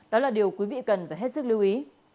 đó là điều quý vị cần phải hết sức lưu ý